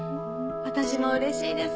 私も嬉しいです。